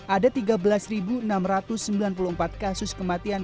ada tiga belas enam ratus sembilan puluh empat kasus kematian